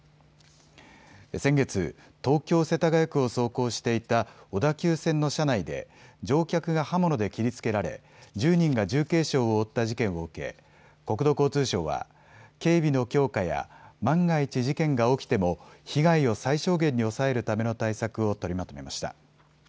先月、東京世田谷区を走行していた小田急線の車内で乗客が刃物で切りつけられ１０人が重軽傷を負った事件を受け国土交通省は警備の強化や万が一、事件が起きても被害を最小限に抑えるための対策を取りまとめました。